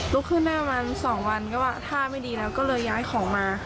ขึ้นได้ประมาณ๒วันก็ว่าท่าไม่ดีแล้วก็เลยย้ายของมา